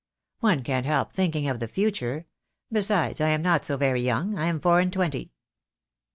"One can't help thinking of the future. Besides, I am not so very young. I am four and twenty."